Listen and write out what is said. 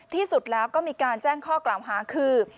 ที่สุดแล้วก็มีการแจ้งข้อกล่าวหาคือ